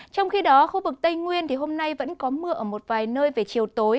trong khi đó khu vực tây nguyên hôm nay vẫn có mưa ở một vài nơi về chiều tối